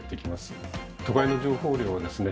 都会の情報量はですね